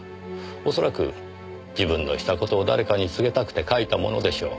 恐らく自分のした事を誰かに告げたくて書いたものでしょう。